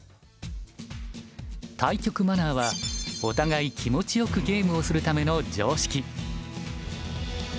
対局マナーはお互い気持ちよくゲームをするための常識。